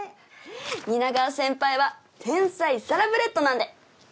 蜷川先輩は天才サラブレッドなんで。